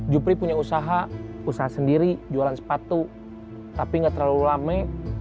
jupri punya usaha usaha sendiri jualan sepatu tapi nggak terlalu lama